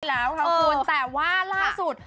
แล้วค่ะคุณแต่ว่าล่าสุด